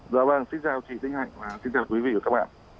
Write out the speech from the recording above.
dạ vâng xin chào chị tinh hạnh và xin chào quý vị và các bạn